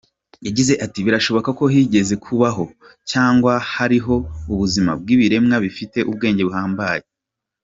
Yagize ati “ Birashoboka ko higeze kubaho cyangwa hariho ubuzima bw’ibiremwa bifite ubwenge buhambaye.